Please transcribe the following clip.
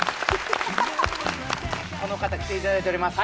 この方来ていただいております